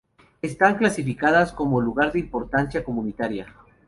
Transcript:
Están calificadas como lugar de importancia comunitaria.